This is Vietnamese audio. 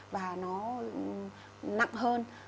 và nó nặng hơn